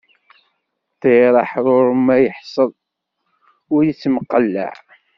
Ṭṭiṛ aḥṛuṛ ma iḥṣel, ur ittemqellaɛ.